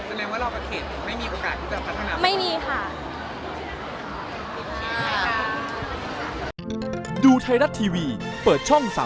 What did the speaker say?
แสดงว่าเรากับเขตไม่มีโอกาสที่จะพัฒนาไม่มีค่ะ